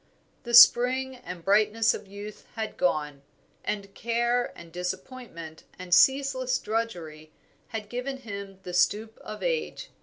The spring and brightness of youth had gone, and care and disappointment and ceaseless drudgery had given him the stoop of age.